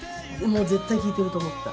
もう絶対聴いてると思った。